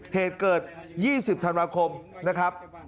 เหตุเกิด๒๐ธันวาคมนะครับ